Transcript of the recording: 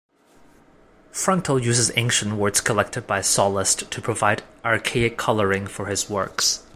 Fronto used ancient words collected by Sallust to provide "archaic coloring" for his works.